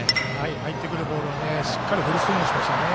入ってくるボールをしっかりフルスイングしましたね。